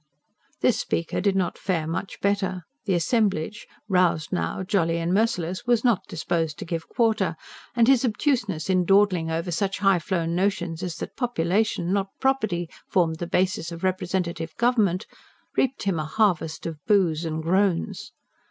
This speaker did not fare much better. The assemblage, roused now, jolly and merciless, was not disposed to give quarter; and his obtuseness in dawdling over such high flown notions as that population, not property, formed the basis of representative government, reaped him a harvest of boos and groans.